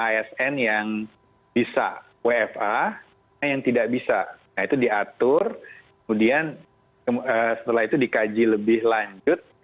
asn yang bisa wfa yang tidak bisa nah itu diatur kemudian setelah itu dikaji lebih lanjut